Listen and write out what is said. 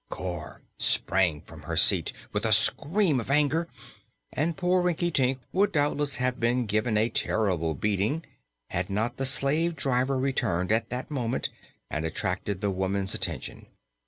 Cor sprang from her seat with a scream of anger and poor Rinkitink would doubtless have been given a terrible beating had not the slave driver returned at this moment and attracted the woman's attention.